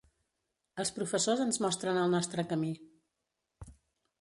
Els professors ens mostren el nostre camí.